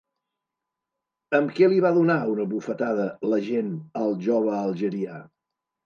Amb què li va donar una bufetada l'agent al jove algerià?